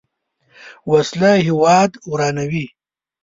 وسله هیواد ورانوي